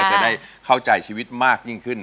จะได้เข้าใจชีวิตมากยิ่งขึ้น